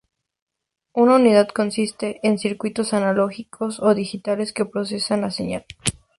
Una unidad consiste en circuitos analógicos o digitales que procesan la señal.